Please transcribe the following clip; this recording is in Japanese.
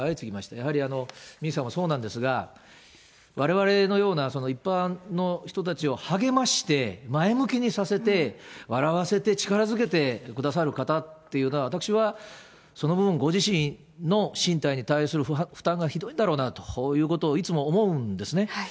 やはり水木さんもそうなんですが、われわれのような一般の人たちを励まして、前向きにさせて、笑わせて、力づけてくださる方っていうのは、私はその分、ご自身の身体に対する負担がひどいんだろうなということをいつも思うんですね。